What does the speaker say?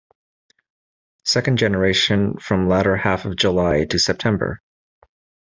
Second generation from latter half of July to September.